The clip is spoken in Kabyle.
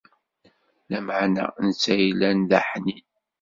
Lameɛna, netta yellan d aḥnin.